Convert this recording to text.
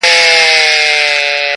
ستا د غېږي تر ساحله نه رسېږم ښه پوهېږم،